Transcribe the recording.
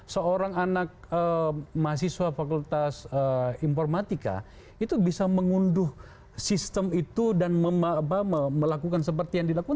seorang anak mahasiswa fakultas informatika itu bisa mengunduh sistem itu dan melakukan seperti yang dilakukan